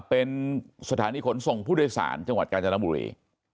เป็นสถานีขนส่งผู้โดยสารจังหวัดกาญจนบุรี